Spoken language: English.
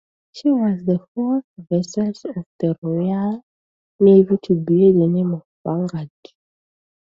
She was the fourth vessel of the Royal Navy to bear the name "Vanguard".